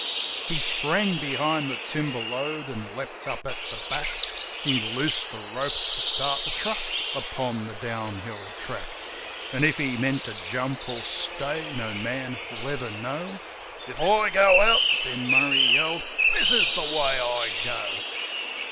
He sprang behind the timber load an' leaped up at the back ; He loosed the rope to start the truck upon the down hill track; An' if he meant to jump or stay no man will ever know. "H I go out," Ben Murray yelled, "this is the way I go!"